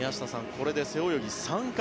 これで背泳ぎ３冠。